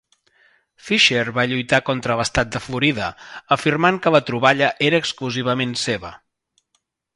Fisher va lluitar contra l'estat de Florida, afirmant que la troballa era exclusivament seva.